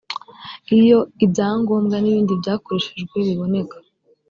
iyo ibya ngombwa n’ibindi byakoreshejwe biboneka